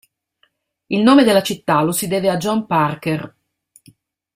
Il nome della città lo si deve a John Parker.